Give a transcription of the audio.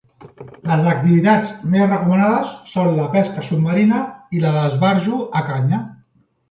Les activitats més recomanades són la pesca submarina i la d'esbarjo a canya.